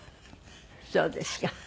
そうですか。